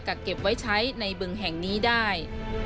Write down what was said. เก็บไว้ใช้ในบึงแห่งนี้ได้